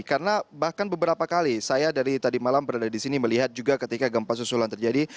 karena bahkan beberapa kali saya dari tadi malam berada di sini melihat juga ketika gempa susulan terjadi